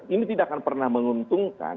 ini tidak akan pernah menguntungkan